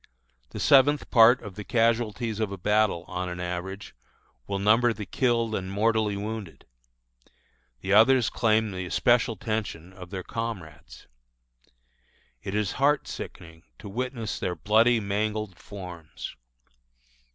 The seventh part of the casualties of a battle, on an average, will number the killed and mortally wounded; the others claim the especial attention of their comrades. It is heart sickening to witness their bloody, mangled forms.